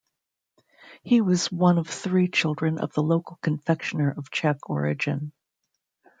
He was one of three children of the local confectioner of Czech origin.